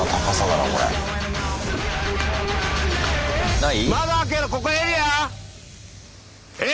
ない？